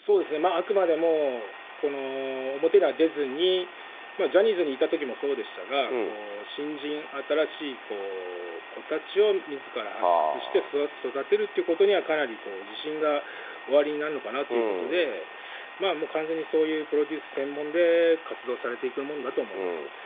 あくまでも表には出ずに、ジャニーズにいたときもそうでしたが、新人、新しい子たちをみずから発掘して育てるっていうことには、かなり自信がおありになるのかなということで、もう完全にそういうプロデュース専門で活動されていくものだと思います。